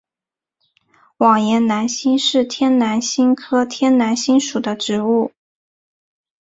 网檐南星是天南星科天南星属的植物。